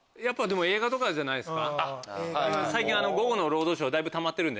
映画とかじゃないですか。